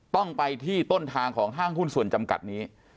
ต้องไปที่ต้นทางของห้างหุ้นส่วนจำกัดนี้